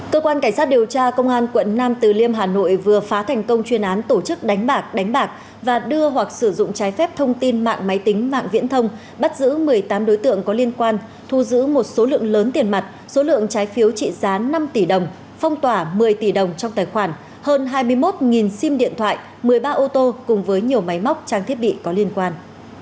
cơ quan cảnh sát điều tra công an quận năm từ liêm hà nội vừa phá thành công chuyên án tổ chức đánh bạc đánh bạc và đưa hoặc sử dụng trái phép thông tin mạng máy tính mạng viễn thông bắt giữ một mươi tám đối tượng có liên quan thu giữ một số lượng lớn tiền mặt số lượng trái phiếu trị giá năm tỷ đồng phong tỏa một mươi tỷ đồng trong tài khoản hơn hai mươi một sim điện thoại một mươi ba ô tô cùng với nhiều máy móc trang thiết bị có liên quan